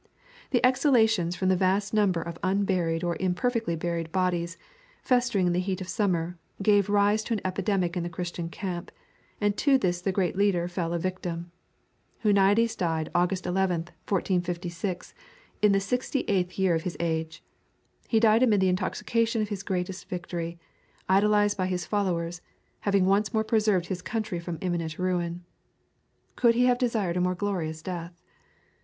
The exhalations from the vast number of unburied or imperfectly buried bodies, festering in the heat of summer, gave rise to an epidemic in the Christian camp, and to this the great leader fell a victim. Huniades died August 11, 1456, in the sixty eighth year of his age. He died amid the intoxication of his greatest victory, idolized by his followers, having once more preserved his country from imminent ruin. Could he have desired a more glorious death?